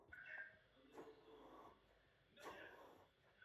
Je zde odstaven unikátní zdravotnický modul Golem.